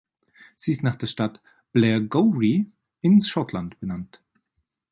Sie ist nach der Stadt Blairgowrie in Schottland benannt.